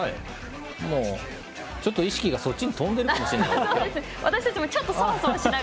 もう、ちょっと意識が、そっちに飛んでるかもしれない。